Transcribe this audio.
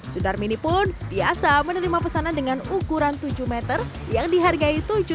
sundarmini pun biasa menerima pesanan dengan ukuran tujuh meter yang dihargai tujuh sampai delapan juta rupiah